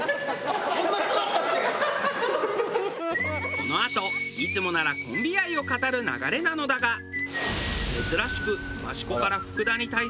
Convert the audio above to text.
このあといつもならコンビ愛を語る流れなのだが珍しく益子から福田に対する不満が。